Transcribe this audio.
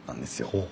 ほう。